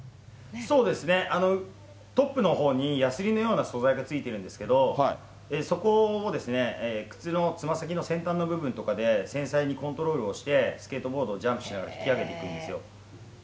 そうですね、トップのほうに、やすりのような素材が付いてるんですけど、そこを靴のつま先の先端の部分とかで、繊細にコントロールをして、スケートボードをジャンプしながら引き上げていってるんですよ。